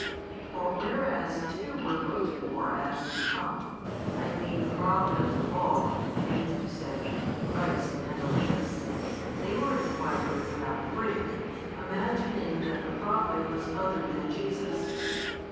For whereas two were looked for as to come, I mean the Prophet of the Law, i. e., Christ, and Elias, they were enquiring about three, imagining that the Prophet was other than Jesus.